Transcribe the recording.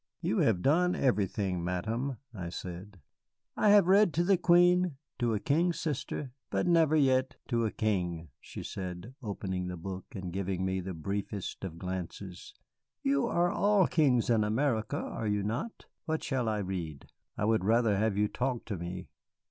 "You have done everything, Madame," I said. "I have read to a Queen, to a King's sister, but never yet to a King," she said, opening the book and giving me the briefest of glances. "You are all kings in America are you not? What shall I read?" "I would rather have you talk to me."